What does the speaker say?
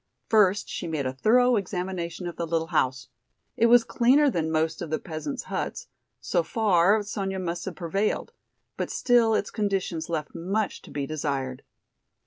First she made a thorough examination of the little house. It was cleaner than most of the peasants' huts, so far Sonya must have prevailed, but still its conditions left much to be desired.